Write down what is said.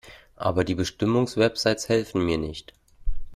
Aber die Bestimmungswebsites helfen mir nicht.